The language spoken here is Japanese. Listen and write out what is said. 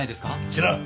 知らん！